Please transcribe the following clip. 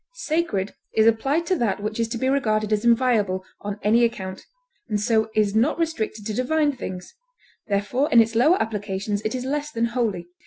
Sacred is applied to that which is to be regarded as inviolable on any account, and so is not restricted to divine things; therefore in its lower applications it is less than holy.